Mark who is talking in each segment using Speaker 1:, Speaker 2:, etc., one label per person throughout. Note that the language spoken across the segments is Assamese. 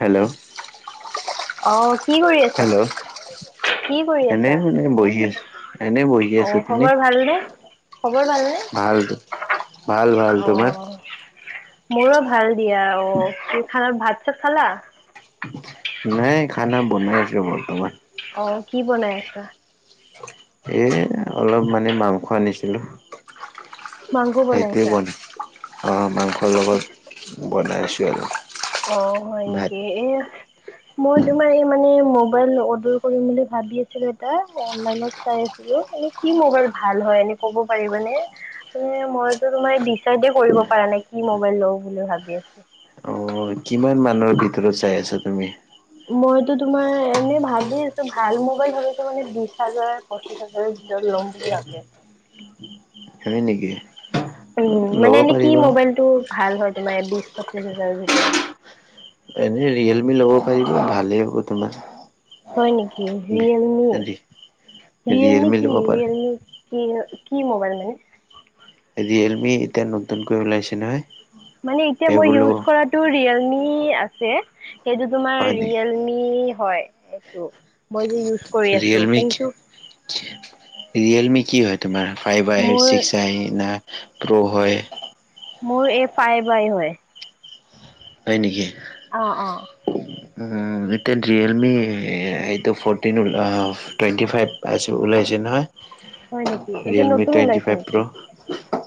Speaker 1: হেল্ল'?
Speaker 2: আহ কি কৰি আছা?
Speaker 1: হেল্ল'
Speaker 2: কি কৰি
Speaker 1: এনে
Speaker 2: আছা?
Speaker 1: মানে বহি আছ, এনে বহি আছা
Speaker 2: অ'
Speaker 1: তুমি?
Speaker 2: খবৰ ভালনে? খবৰ ভালনে?
Speaker 1: ভাল, ভাল, ভাল তোমাৰ?
Speaker 2: অ' মোৰো ভাল দিয়া অ, তু, খানাৰ ভাত, চাত খালা?
Speaker 1: নাই খানা বনাই আছো বৰ্তমান।
Speaker 2: অ' কি বনাই আছা?
Speaker 1: এ, অলপ মানে মাংস আনিছিলো।
Speaker 2: মাংগুৰ
Speaker 1: সেইটোৱে
Speaker 2: বনাইছা।
Speaker 1: বনাই অ, মাংসৰ লগত বনাইছোঁ আৰু।
Speaker 2: অ, হয়,
Speaker 1: ভাত
Speaker 2: নেকি এ। মই তোমাৰ এই মানে মোবাইল অৰ্ডাৰ কৰিম বুলি ভাবি আছিলো, এটা অনলাইনত চাই আছিলো। কি মোবাইল ভাল হয়, এনে ক'ব পাৰিব নে, মানে মইতো তোমাৰ ডিচাইডে কৰিব পৰাৰ নাই। কি মোবাইল লওঁ বুলি ভাবি আছো।
Speaker 1: অ, কিমান মানুৰ ভিতৰত চাই আছা তুমি?
Speaker 2: মইতো তোমাৰ এনে ভাবি আছো ভাল মোবাইল হলেতো মানে বিশ হাজাৰ, পচিছ হাজাৰৰ ভিত [unintelligible] পেছ
Speaker 1: হয়, নেকি।
Speaker 2: উম, মানে
Speaker 1: ল'ব
Speaker 2: এনেে কি
Speaker 1: পাৰিবা
Speaker 2: মোবাইলটো ভাল হয় তোমাৰ বিশ, পঁচিশ হাজাৰৰ ভিতৰত।
Speaker 1: এনেই ৰিয়েলমি ল'ব পাৰিব ভালেই হ'ব তোমাৰ।
Speaker 2: হয়, নেকি য়েলমি, য়েলমি
Speaker 1: ৰিয়েলমি
Speaker 2: কি
Speaker 1: ল'ব পাৰা
Speaker 2: য়েলমি কি কি মোবাইল মানে?
Speaker 1: ৰিয়েলমি এতিয়া নতুনকৈ ওলাইছে নহয়।
Speaker 2: মান এতিয়া মই
Speaker 1: সেইবোৰ ল'ব
Speaker 2: কৰায়েলি সেইটো তোমাৰ
Speaker 1: হয় নেকি
Speaker 2: ৰিয়েলমি হয়, এইটো। মই যে, ইউজ কৰি আছো,
Speaker 1: ৰিয়েলমি
Speaker 2: কিন্তু
Speaker 1: ৰিয়েলমি কি হয়, তোমাৰ ফাইভ আই
Speaker 2: মোৰ
Speaker 1: ছিক্স আই না। প্ৰহ, হয়।
Speaker 2: মোৰ এই ফাই বাই হয়।
Speaker 1: হয়, নেকি।
Speaker 2: অ অ'।
Speaker 1: ন, ৰিয়েলমি এইটো ফ'ৰ্টিন, টুৱেণ্টি ফাইভ পাইছ ওলাইছে নহয়।
Speaker 2: হয় নেকি এইটো
Speaker 1: ৰিয়েলমি
Speaker 2: নতুন
Speaker 1: টুৱেণ্টি
Speaker 2: ওলাইছে
Speaker 1: ফাইভ
Speaker 2: নেকি?
Speaker 1: প্ৰ'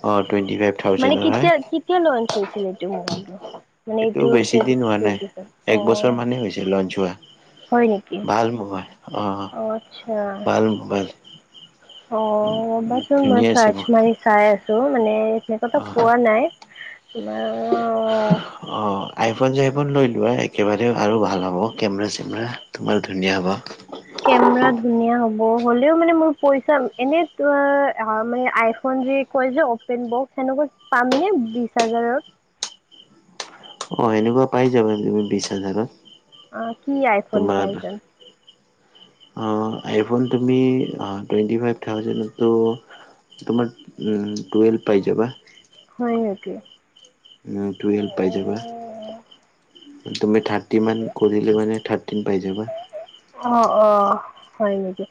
Speaker 1: অ টুৱেণ্টি ফাইভ
Speaker 2: মানে
Speaker 1: থাউজেণ্ডৰ হয়
Speaker 2: কেতিয়া, কেতিয়া লঞ্চ হৈছিলে এইটো মোবাইলটো। মানে
Speaker 1: এইটো
Speaker 2: এইট
Speaker 1: বেছি
Speaker 2: জড
Speaker 1: দিন হোৱা নাই
Speaker 2: টুৱেটি ফ,
Speaker 1: এক বছৰ
Speaker 2: অ'।
Speaker 1: মানেই হৈছে লঞ্চ হোৱা
Speaker 2: হয়, নেকি
Speaker 1: ভাল মোবাইল অ
Speaker 2: আচ্ছা।
Speaker 1: ভাল মোবাইল
Speaker 2: অ, ৰবাচোন মই
Speaker 1: ধুনীয়া আছে
Speaker 2: চাৰ্চ মাৰি চাই আছো মানে সনেকুৱ
Speaker 1: অ
Speaker 2: পোৱা নাই। [inaudible]
Speaker 1: ইফোন চাইফোন লৈ লোৱা একেবাৰে আৰু ভাল হ'ব কেমেৰা চেমেৰা তোমাৰ ধুনীয়া হ'ব।
Speaker 2: ব, হলেও মানে মোৰ পইচা এনে মানে আইফোন যি কয় যে অপেন বক্স তেনেকুৱা পামনে বিশ হাজাৰৰ
Speaker 1: অ, সেনেকুৱা পাই যাবা তুমি বিশ হাজাৰত
Speaker 2: আহ কি আইফোন
Speaker 1: তোমাৰ
Speaker 2: পাই যে।
Speaker 1: আইফোন তুমি টুৱেণ্টি ফাইভ থাউজেণ্ডতো তোমাৰ উ, টুৱেলভ পাই যাবা।
Speaker 2: [inaudible]
Speaker 1: উ, টুৱেলভ পাই যাবা।
Speaker 2: অ
Speaker 1: তুমি থাৰ্টিমান কৰিলে, মানে থাৰ্টিন পাই যাবা।
Speaker 2: অ', অ', হয় নেকি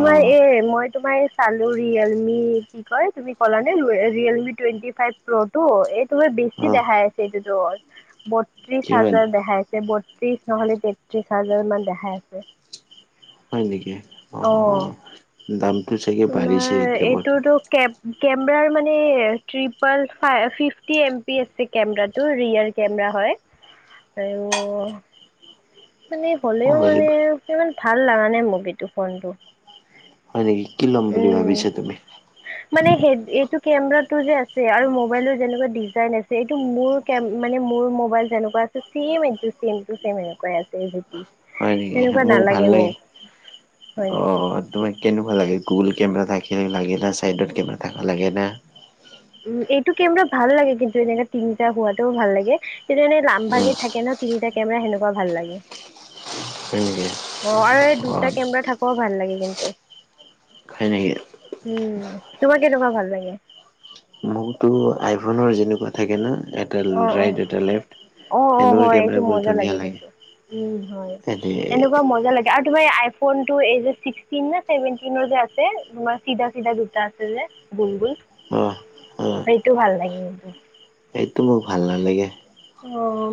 Speaker 1: অ
Speaker 2: এই মই তোমাৰ চালো ৰিয়েলমি কি কয় তুমি ক'লা নে Realme twenty five pro two এই
Speaker 1: অ
Speaker 2: বেছি দেখাই আছে, এইটোতো বত্ৰিশ
Speaker 1: কিমান
Speaker 2: হাজাৰ দেখাইছেতি। ত্ৰিশ নহলে, তেত্ৰিশ হাজাৰ মান দেখাই আছে।
Speaker 1: হয়, নেকি অ',
Speaker 2: অঁ
Speaker 1: অ', দামটো চাগে বাঢ়িছে এতিয়া বৰ্তমান।
Speaker 2: কেমে মানেপিফি এম পি আছে, কেমেৰাটোৰিয়েল কেম হয়, আৰু। মানে
Speaker 1: অ
Speaker 2: হ'লেও মানে ইমান ভাল লগা নে, মুগীটো ফোনটো।
Speaker 1: হয় নেকি কি ল'ম বুলি
Speaker 2: উম
Speaker 1: ভাবিছা তুমি?
Speaker 2: কেমেৰাতটো যে আছে আৰু মোবাইলৰ যেনেকুৱা ডিজাইন আছে এইটো মোৰ কেম মানে মোৰ মোবাইল যেনেকুৱা মম, ম, এনেকুৱছে
Speaker 1: হয় নেকি মোক ভাল লাগে,
Speaker 2: হয়
Speaker 1: অ,
Speaker 2: নেকি
Speaker 1: তোমাৰ কেনেকুৱা লাগে। গুগুল কেমেৰা থাকিলিব লাগে ন, সাইডৰড কেমেৰা থাকিব লাগে ন।
Speaker 2: উ, ম এইটোকি আমাৰ ভাল লাগে। কিন্তু এনেকোৱে তিনিটা হোৱাতটোও ভাল লাগে। তেনে
Speaker 1: উম
Speaker 2: লামভাগে থাকে ন, তিনিটা কেমেৰা সেনেকুৱা ভাল লাগে। অ,
Speaker 1: হয় নেকি
Speaker 2: আৰু এই
Speaker 1: অ
Speaker 2: দুটা কেমেৰা থাকোও ভাল লাগে কিন্তু।
Speaker 1: হই নিকি।
Speaker 2: উম তোমাক কেনেকুৱা ভাল লাগে?
Speaker 1: মোকতো আইফোনৰ যেনেকুৱা থাকে ন, এটা
Speaker 2: অ অ
Speaker 1: ৰাইট, এটা লেফ্ট
Speaker 2: অ', অ',
Speaker 1: সেনেকুৱা
Speaker 2: হয় এইটো
Speaker 1: কেমেৰাবোৰ
Speaker 2: মজা
Speaker 1: ধুনীয়া
Speaker 2: লাগে কিন্তু। উম, হয়,
Speaker 1: এনে
Speaker 2: এনেকুৱা মজা লাগে আৰু তোমাৰই। ফোনটো এনে চিক্সটিন নে, চেভেনটিনৰ যে আছে তোমাৰ চিধা, চিধা দুটা আছে যে গুল, গুল।
Speaker 1: অ
Speaker 2: সেইটো ভাল লাগে কিন্ত।
Speaker 1: সেইটো মোক ভাল নালাগে।
Speaker 2: অ,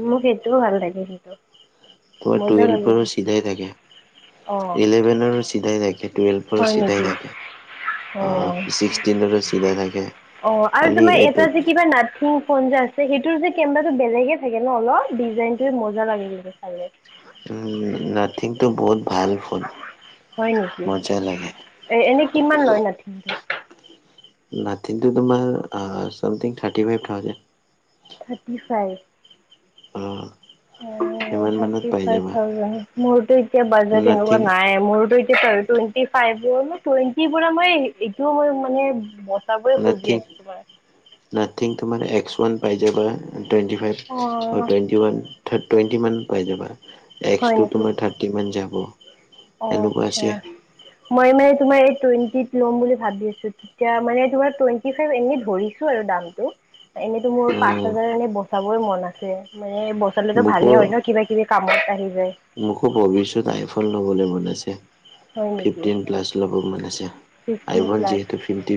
Speaker 2: মোক সেইটোও ভাল লাগে কিন্তু।
Speaker 1: তোমাৰ
Speaker 2: মজা লাগে
Speaker 1: তুৱেলভৰো চিধাই থাকে,
Speaker 2: অ'
Speaker 1: ইলেভেনৰো চিধাই থাকে। টুৱেলভৰ
Speaker 2: হয়
Speaker 1: চিধাই
Speaker 2: নেকি
Speaker 1: থাকে। আহ,
Speaker 2: অ'
Speaker 1: ছিক্সটিনৰো চিধাই থাকে,
Speaker 2: অ' আৰু
Speaker 1: খালি
Speaker 2: তোমাৰ এটা
Speaker 1: এইট
Speaker 2: যে কিবা নাথিং ফোন যে আছে সেইটোৰ যে কেমেৰাটো বেলেগে থাকে ন অলপ ডিজাইন য়ে মজা লাগে কি চালে [unintelligible]
Speaker 1: উম, নাথিং। টো বহুত ভাল ফোন
Speaker 2: হয় নেকি
Speaker 1: মজা লাগে।
Speaker 2: এ এনে কিমান লয় নাথিংটো
Speaker 1: নাথিংটো তোমাৰ something thirty five thousand.
Speaker 2: Thirty five.
Speaker 1: অ'।
Speaker 2: অ'।
Speaker 1: সিমান মানত
Speaker 2: থাৰটি
Speaker 1: পাই
Speaker 2: ফাইভ
Speaker 1: যাবা
Speaker 2: থাউজেন্ট, মোৰটো এতিয়া বাজেট
Speaker 1: নাথিং
Speaker 2: নাইয়ে, মোৰটো এতিয়া টুৱেনটি ফাইভ। টুৱেন্টি পৰা মই এইটোও মই মানে বছাৰ বোৰে খজি
Speaker 1: নাথিং
Speaker 2: আছো তোমাৰ।
Speaker 1: নাথিং, তোমাৰ এক্স ওৱান পাই যায় বা টুৱেণ্টি ফাইভ
Speaker 2: অ'
Speaker 1: টুৱেণ্টি ওৱান থ টুৱেণ্টিমানত পাই যাবা
Speaker 2: হয়
Speaker 1: এক্সটো
Speaker 2: নেকি
Speaker 1: তোমাৰ থাৰ্টিমান যাব।
Speaker 2: অ,
Speaker 1: এনেকুৱা
Speaker 2: আচ্ছা
Speaker 1: আছে
Speaker 2: মই মে তোমাৰ টুৱেন্টিত লম বুলি ভাবি আছো ম, তমাৰ টুৱেন্টি ফ এনে, ধো আৰু দামটো এনেইতো মোৰ পাঁচ হাজাৰ
Speaker 1: উম
Speaker 2: এনে বচাবই মন আছে। মানে বছৰতো
Speaker 1: মোকো
Speaker 2: ভালেই হয় ন, কিবা, কিবি কামত আহি যায়।
Speaker 1: মোকো ভৱিষ্যত আইফোন ল'বলৈ মন আছে
Speaker 2: হয় নেকি
Speaker 1: ফিফটিন প্লাছ ল'ব, ম, আছে।
Speaker 2: ফিফটিন
Speaker 1: আইফোন
Speaker 2: প্লাছ
Speaker 1: যিহেতু ফিফট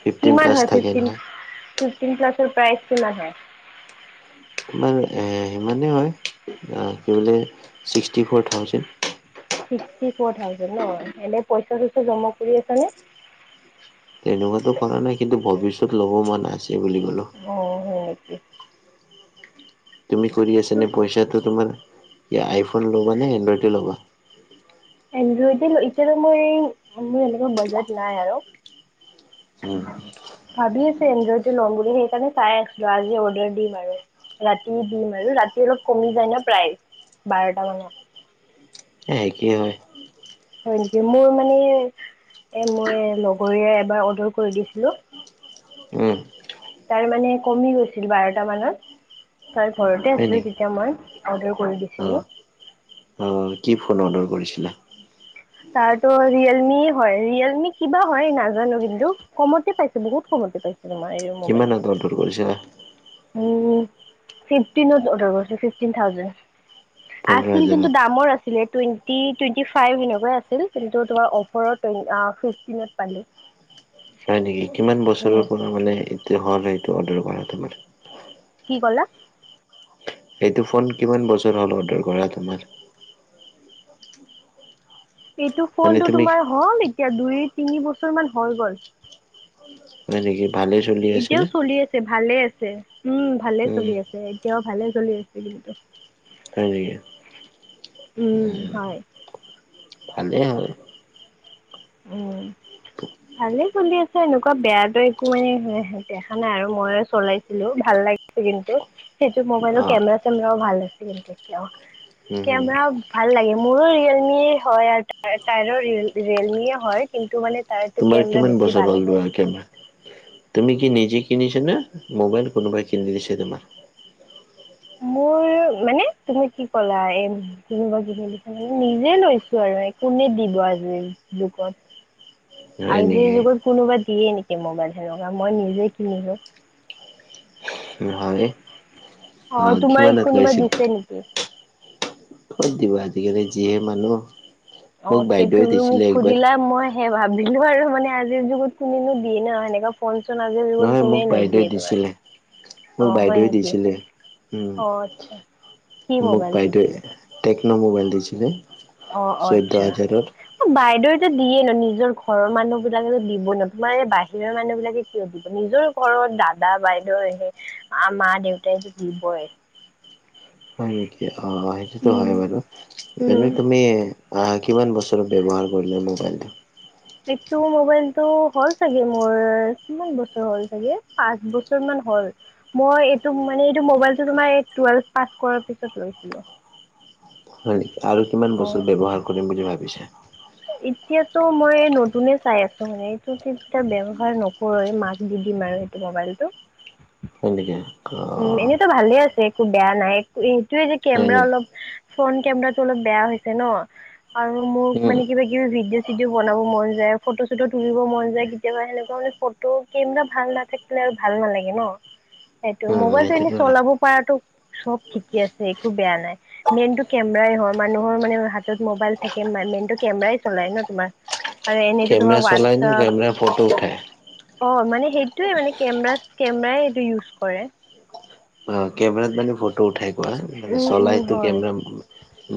Speaker 1: ফিফটিন
Speaker 2: কিমান
Speaker 1: প্লাছ
Speaker 2: হয়
Speaker 1: থাকে
Speaker 2: ফিফটিন
Speaker 1: নহয়।
Speaker 2: ফিফটিন ক্লাছৰ প্ৰাইজটো লা নে
Speaker 1: তোমাৰ সিমানেই হয়, কি বোলে sixty four thousand
Speaker 2: sixty four thousand ন, এনে পইচা চইচা জমা কৰি আছা নে?
Speaker 1: তেনেকুৱাতো কৰা নাই কিন্তু ভৱিষ্যত ল'ব মন আছে। বুলি ক'লো
Speaker 2: অ'।
Speaker 1: তুমি কৰি আছা নে, পইচাটো তোমাৰ আইফোন ল'বা নে এনড্ৰইডে ল'বা?
Speaker 2: এনডইড, এতিয়াতো মোৰ, মোৰ এনেকুৱা বাজেট নাই আৰু। ভাবিছোঁ এনড্ৰইটো ল'ম বুলি, সেইকাৰণে চাই আছিলোঁ আজি অৰ্ডাৰ দিম আৰু। ৰাতি দিম আৰু, ৰাতি অলপ কমি যায় না প্ৰাইজ বাৰটা মানত।
Speaker 1: এই একেই হয়।
Speaker 2: হয় নেকি, মোৰ মানে এ মই লগৰীয়া এবাৰ অৰ্ডাৰ কৰি দিছিলোঁ
Speaker 1: উম।
Speaker 2: তাৰ মানে কমি গৈছিল বাৰটা মানত, তই ঘৰতে
Speaker 1: হয়
Speaker 2: আছিল
Speaker 1: নেকি?
Speaker 2: তেতিয়া মই অৰ্ডাৰ কৰি
Speaker 1: অ
Speaker 2: দিছিলোঁ
Speaker 1: কি ফোন অৰ্ডাৰ কৰিছিলা?
Speaker 2: তাৰতো ৰিয়েলমি হয়, ৰিয়েলমি কিবা হয় নাজানো কিন্তু, কমতে পাইছোঁ, বহুত কমতে পাইছোঁ।
Speaker 1: কিমান আগত অৰ্ডাৰ কৰিছিলা?
Speaker 2: উম ফিফটিনত অৰ্ডাৰ কৰিছো ফিফটিন থাউজড
Speaker 1: পোন্ধৰ
Speaker 2: আছিল,
Speaker 1: হাজাৰত
Speaker 2: কিন্তু দামৰ আছিলে, টুৱেণ্টি, টুৱেন্টি ফাইভ সেনেক আ [unintelligible] তোমাৰ অফাৰত, আ, ফিফটিনত পালোঁ
Speaker 1: হয় নেকি, কিমান
Speaker 2: উম
Speaker 1: বছৰৰ পৰা মানে এইটো হ'ল সেইটো অৰ্ডাৰ কৰা তোমাৰ?
Speaker 2: কি ক'লা?
Speaker 1: এইটো ফোন কিমান বছৰ হ'ল অৰ্ডাৰ কৰা তোমাৰ-
Speaker 2: এইটো
Speaker 1: মানে
Speaker 2: ফোনটো
Speaker 1: তুমি
Speaker 2: তোমাৰ হ'ল এতিয়া দুই তিনি বছৰ মান হৈ গ'ল।
Speaker 1: হয় নেকি? ভালে চলি আছে
Speaker 2: এতিয়াও
Speaker 1: নে?
Speaker 2: চলি আছে ভালে আছ উম ভালে
Speaker 1: উম
Speaker 2: চলি আছে, এতিয়াও ভালে চলি আছে কিন্তু।
Speaker 1: হয় নেকি?
Speaker 2: উম হয়।
Speaker 1: ভালেই হয়
Speaker 2: উম। ভালে চলি আছে, এনেকুৱা বেয়াটো একো মানে দেখা নাই আৰু মই চলাইছিলো ভাল লাগে কিন্তু, সেইটো মোবাইলৰ
Speaker 1: অ
Speaker 2: কেমেৰা চেমেৰাও ভাল আছে কিন্তু এতিয়াও
Speaker 1: উম হম
Speaker 2: কেমেৰা ভাল লাগে মোৰো ৰিয়েলমি হয়, আৰু তাইৰো ৰিয়েলমি হয় কিন্তু মানে
Speaker 1: তোমাৰ কিমান বছৰ
Speaker 2: ভাল
Speaker 1: হ'ল
Speaker 2: আছে
Speaker 1: লোৱা কেমেৰা তুমি কি নিজে- কিনিছনে, মবাইল কোনোবাই কিনছে তমাৰ-
Speaker 2: মোৰ মানে, তুমি কি কলা এ কোনোবা কিনি দিছা মানে নিজে লৈছো আৰু- কোনে দিব আজি যুগত
Speaker 1: হয়
Speaker 2: আজিৰ
Speaker 1: নেকি?
Speaker 2: যুগত কোনোবা দিয়ে নেকি মোবাইল, মই নিজে কিনিলোঁ।
Speaker 1: নহয়
Speaker 2: অ', তোমাৰ কোনোবা
Speaker 1: লৈছিল?
Speaker 2: দিছে নেকি?
Speaker 1: ক'ত দিব, আজিকালি যিয়ে মানুহ-
Speaker 2: অ',
Speaker 1: মোক
Speaker 2: তে
Speaker 1: বাইদেউৱে
Speaker 2: তুমি মোক
Speaker 1: দিছিলে একবাৰ।
Speaker 2: সুধিলা মই- সে ভাবিলো আৰু মানে আজিৰ যুগত কুনিনো দিয়ে ন সেনেকা ফোন- আজিৰ যুগত
Speaker 1: নহয় মোক
Speaker 2: কোনেনো
Speaker 1: বাইদেউৱে
Speaker 2: দিয়ে তোমাৰ-
Speaker 1: দিছিলে, মোক
Speaker 2: অ', হয়
Speaker 1: বাইদেউৱে
Speaker 2: নেকি?
Speaker 1: দিছিলে। উম,
Speaker 2: অ', আচ্ছা। কি মোবাইল দিছিলে?
Speaker 1: ন' মোবাইল দিছিলে
Speaker 2: অ',
Speaker 1: চৈধ্য
Speaker 2: আচ্ছা,
Speaker 1: হাজাৰৰ।
Speaker 2: বাইদেউ দিয়ে ন, নিজৰ ঘৰৰ মানুহ বিলাকে দিব ন, তোমাৰ বাহিৰৰ মানুহ বিলাকে কিয় দিব নিজৰ ঘৰৰ দাদা বাইদেউ সেই, মা দেউতাই যে দিবই-
Speaker 1: হয় নেকি? অ সেইটোতো
Speaker 2: উম
Speaker 1: হয় বাৰু। এনে
Speaker 2: উম
Speaker 1: তুমি আহা কিমান বছৰত ব্যৱহাৰ কৰিলে মোবাইলটো?
Speaker 2: ইটো মবাইলতটো হ'ল চাগে মোৰ কিমান বছৰ হ'ল চাগে পাঁচ বছৰ মান হল। মই ইটো মোবাইলটো মানে টোৱেলোভ পাছ কৰাৰ পিছত লৈছিলো।
Speaker 1: হয় নেকি? আৰু কিমান বস্তু ব্যৱহাৰ কৰিম বুলি ভাবিছে?
Speaker 2: এতিয়াতো মই নতুনে চাই আছো মানে, এইটো তেতিয়া ব্যৱহাৰ নকৰে মাক দি দিম আৰু মোবাইলটো।
Speaker 1: হয় নেকি?
Speaker 2: উম
Speaker 1: অ'
Speaker 2: এনেইতো ভালে আছে একো বেয়া নাই, এইটোয়ে যে
Speaker 1: হয়
Speaker 2: কেমেৰা
Speaker 1: নেকি?
Speaker 2: অলপ ফ্ৰণ্ট কেমেৰা অলপ বেয়া হৈছে ন। আৰু মোক
Speaker 1: উম,
Speaker 2: মানে কিবা কিবি ভিডিঅ-চিডিঅও বনাব মন যায়, ফটো-চটো তুলিব মন যায় কেতিয়াবা সেনেকুৱা ফটো কেমেৰা ভাল নাথাকিলে আৰু ভাল নালাগে ন। ত
Speaker 1: উম,
Speaker 2: মোবাইলটো এনেই
Speaker 1: সেইটোতো হয়।
Speaker 2: চলাব পৰাটো চব ঠিকে আছে একো বেয়া নাই, মেইনতটো কেমেৰাই হয় মানুহৰ মানে হাতত মোবাইল থাকে মেইনতটো কেমেৰাই চলাই ন তোমাৰ আৰু এনেইতো ধোৰক
Speaker 1: কেমেৰা চলাই নে
Speaker 2: হোৱাটছপ
Speaker 1: কেমেৰা ফটো উঠাই?
Speaker 2: অ মানে সেইটোয়ে মানে কেমেৰা-কেমেৰাই সেইটো ইউজ কৰে।
Speaker 1: কেমেৰাত মানে ফটো উঠাই আৰু মানে
Speaker 2: উম উম
Speaker 1: চলাহটো
Speaker 2: হয়
Speaker 1: কেমেৰা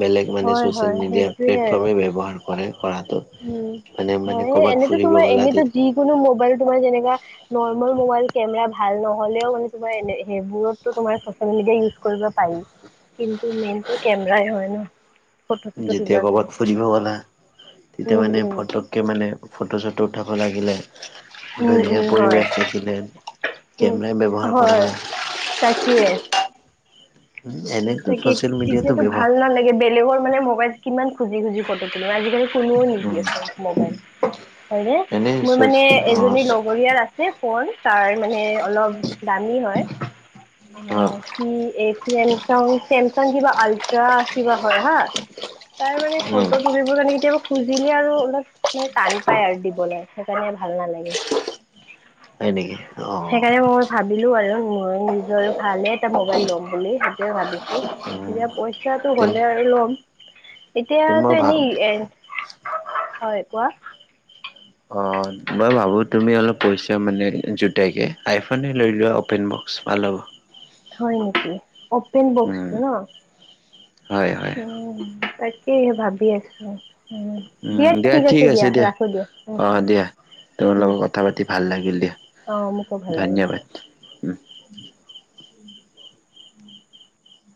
Speaker 1: বেলেগ মানে
Speaker 2: হয় হয়
Speaker 1: ছ'চিয়েল মিডিয়া
Speaker 2: সেইটোয়ে আৰু
Speaker 1: প্লেটফৰ্মেই ব্যৱহাৰ কৰে। কৰাটো
Speaker 2: উম
Speaker 1: মানে মানে
Speaker 2: হয়
Speaker 1: ক'ৰবাত
Speaker 2: এনেতো
Speaker 1: ফুৰিব
Speaker 2: তোমাৰ
Speaker 1: গ'লা
Speaker 2: এনেতো যিকোনো মোবাইল তোমাৰ যেনেকা নৰ্মেল মোবাইল কেমেৰা ভাল নহ'লেও মানে তোমাৰ সেইবোৰতো তোমাৰ স ইউজ কৰিব পাৰি। কিন্তু মেইন কেমেৰাই হয় ন? ফটো চটো
Speaker 1: যেতিয়া
Speaker 2: তোলাৰ
Speaker 1: কবাত
Speaker 2: কাৰণে
Speaker 1: ফুৰিব গ'লা। তেতিয়া
Speaker 2: উম
Speaker 1: মানে
Speaker 2: উম
Speaker 1: ফটকে মানে ফটো-চটো উঠাব লাগিলে
Speaker 2: উম উম
Speaker 1: ধুনীয়াা
Speaker 2: হয়
Speaker 1: পৰিৱেশ দেখিলে
Speaker 2: উম
Speaker 1: কেমেৰাই ব্যৱহাৰ কৰা
Speaker 2: হয় তাকে
Speaker 1: হয়। এনেতো
Speaker 2: তাকে
Speaker 1: ছ'চিয়েল মিডিয়াটো
Speaker 2: তেতিয়াতো
Speaker 1: ব্যৱহাৰ
Speaker 2: ভাল নালাগে বেলেগৰ মানে মোবাইল কিমান খুজি খুজি ফটো তুলিম। আজিকালি কোনেও
Speaker 1: উম
Speaker 2: নিদিয়ে মোবাইল, হয়নে?
Speaker 1: এনে
Speaker 2: মোৰ
Speaker 1: চচ
Speaker 2: মানে
Speaker 1: অ
Speaker 2: এজনী লগৰীয়াৰ আছে ফোন। তাৰ মানে অলপ দামী হয়। অ কি এইতিএম চাও চেমচাং কিবা আল্ট্ৰা কিবা হয় হা। তাৰ মানে
Speaker 1: উম
Speaker 2: ফটো তুলিবৰ কাৰণে কেতিয়াবা খুজিলে আৰু অলপ মানে টান পায় আৰু দিবলৈ। সেইকাৰণে ভাল নালাগে।
Speaker 1: হয় নেকি, অ।
Speaker 2: লো আৰু মই নিজৰ ভালে এটা মোবাইল ল'ম বুলি। ভাবিছো।
Speaker 1: উম
Speaker 2: এতিয়া পইচাটো হলে
Speaker 1: তেন্তে
Speaker 2: আৰু লম।
Speaker 1: মই
Speaker 2: এতিয়াতো
Speaker 1: ভাব
Speaker 2: এনেই এ। হয় কোৱা?
Speaker 1: অ', মই ভাবোঁ তুমি অলপ পইচা মানে জোতাইকৈ আইফোনে লৈ লোৱা অ'পেন বক্স ভাল হ'ব।
Speaker 2: হয় নেকি, অপেন
Speaker 1: উম,
Speaker 2: বক্সটো ন?
Speaker 1: হয়, হয়,
Speaker 2: উম তাকেইহে ভাবি আছো, উম।
Speaker 1: উম দিয়া ঠিক আছে দিয়া, অ দিয়া। তোমাৰ
Speaker 2: উম
Speaker 1: লগত কথা পাতি ভাল লাগিল দিয়া,
Speaker 2: অ মোকো ভাল লাগিল দিয়া
Speaker 1: ধন্যবাদ। উম